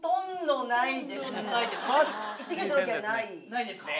ないですね。